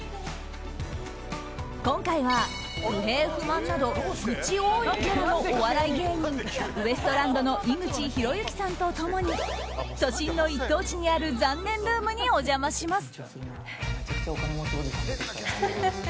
今回は、不平不満など愚痴多いキャラのお笑い芸人ウエストランドの井口浩之さんと共に都心の一等地にある残念ルームにお邪魔します。